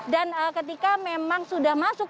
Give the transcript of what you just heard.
dan ketika memang sudah masuk